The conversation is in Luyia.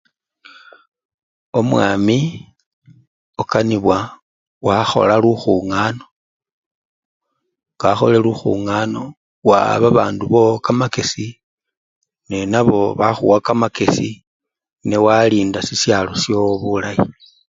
Omwami okanibwa wakhola lukhungano, nga wakholele lukhungano wawa babandu bowo kamakesi nenabo bakhuwa kamakesi newalinda sisyalo syowo bulayi.